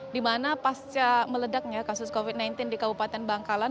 di mana pasca meledaknya kasus covid sembilan belas di kabupaten bangkalan